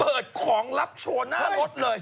เปิดของรับโชว์หน้ารถเลย